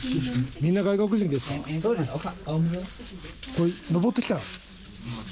これ登ってきた？